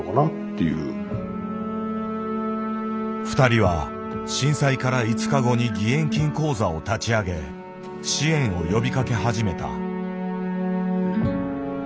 ふたりは震災から５日後に義援金口座を立ち上げ支援を呼びかけ始めた。